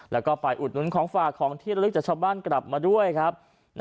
แล้วก็ฝ่ายอุดหนุนของฝากของที่ระลึกจากชาวบ้านกลับมาด้วยครับ